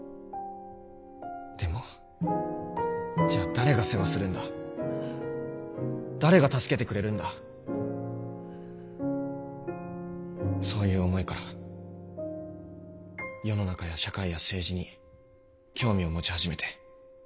でもじゃあ誰が世話するんだ誰が助けてくれるんだそういう思いから世の中や社会や政治に興味を持ち始めて。